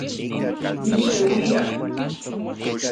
Mixeuia